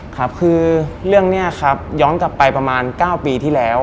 ครับคือเรื่องนี้ครับย้อนกลับไปประมาณ๙ปีที่แล้ว